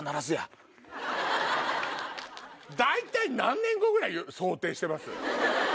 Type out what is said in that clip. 大体何年後ぐらいを想定してます？